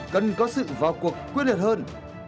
cần có sự vào cuộc quyết liệt hơn